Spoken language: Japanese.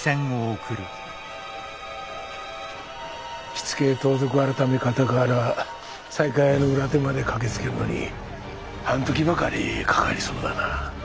火付盗賊改方から西海屋の裏手まで駆けつけるのに半刻ばかりかかりそうだな。